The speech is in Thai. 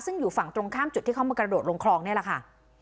ซึ่งอยู่ฝั่งตรงข้ามจุดที่เขามากระโดดลงคลองนี่แหละค่ะ